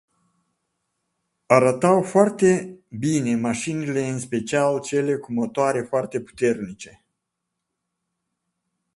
Arătau foarte bine mașinile în special cele cu motoare foarte puternice.